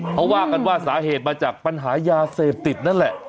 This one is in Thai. เขาว่ากันว่าสาเหตุมาจากปัญหายาเสพติดนั่นแหละ